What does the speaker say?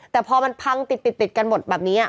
แต่พอมันพังติดกันหมดแบบนี้